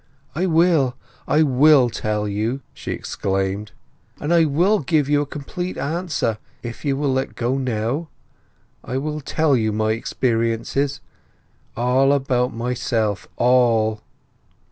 "I will, I will tell you!" she exclaimed. "And I will give you a complete answer, if you will let me go now. I will tell you my experiences—all about myself—all!"